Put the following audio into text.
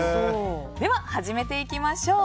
では、始めていきましょう。